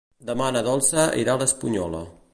Demà na Dolça irà a l'Espunyola.